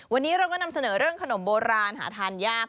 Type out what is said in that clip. วันนี้เราก็นำเสนอเรื่องขนมโบราณหาทานยาก